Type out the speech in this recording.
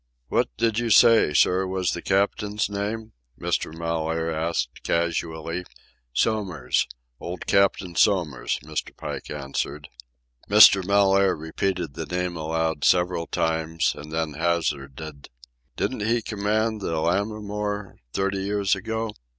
"What did you say, sir, was the captain's name?" Mr. Mellaire asked casually. "Somers—old Captain Somers," Mr. Pike answered. Mr. Mellaire repeated the name aloud several times, and then hazarded: "Didn't he command the Lammermoor thirty years ago?"